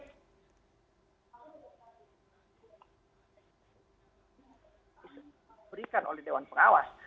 diberikan oleh doan pengawas